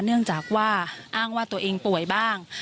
เนื่องจากว่าอ้างว่าตัวเองป่วยบ้าง